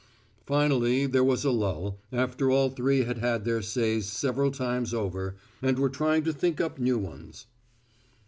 Finally there was a lull, after all three had had their says several times over, and were trying to think up new ones.